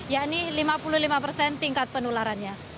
yakni lima puluh lima persen tingkat penularannya